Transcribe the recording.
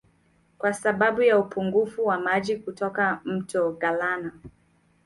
Kwa sababu ya upungufu wa maji kutoka Mto Galana